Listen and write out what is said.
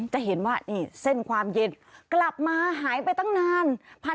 จะเห็นว่านี่เส้นความเย็นกลับมาหายไปตั้งนาน